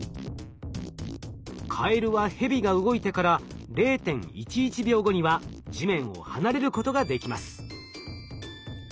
カエルはヘビが動いてから０．１１秒後には地面を離れることができます。